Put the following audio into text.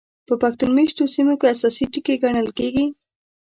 په پښتون مېشتو سیمو کې اساسي ټکي ګڼل کېږي.